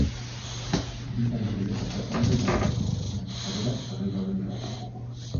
Bi talde gehiago falta dira iragartzeko, baina sarrerak salgai daude jada.